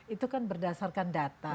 itu kan berdasarkan data